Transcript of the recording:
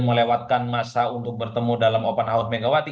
melewatkan masa untuk bertemu dalam open house megawati